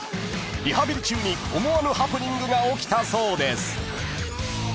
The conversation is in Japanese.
［リハビリ中に思わぬハプニングが起きたそうです］